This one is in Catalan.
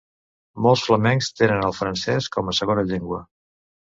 Molts flamencs tenen el francès com a segona llengua.